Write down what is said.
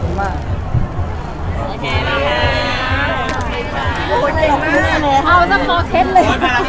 โปรดติดตามตอนต่อไป